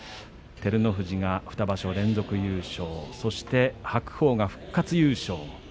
照ノ富士、２場所連続の優勝そして白鵬の復活優勝。